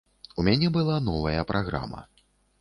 У мяне была новая праграма.